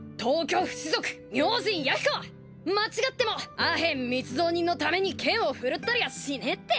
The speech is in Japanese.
間違ってもアヘン密造人のために剣を振るったりはしねえって！